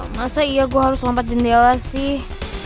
masa iya gue harus lompat jendela sih